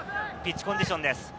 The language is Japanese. ピッチコンディションです。